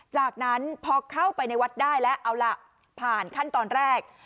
จากนั้นพอเข้าไปในวัดได้แล้วเอาล่ะผ่านขั้นตอนแรก